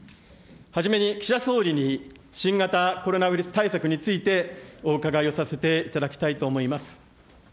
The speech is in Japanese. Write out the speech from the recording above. はじめに岸田総理に新型コロナウイルス対策についてお伺いをさせていただきたいと思います。